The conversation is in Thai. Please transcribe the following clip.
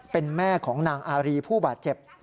เป็นแม่ของนางอารีผู้บาดเจ็บ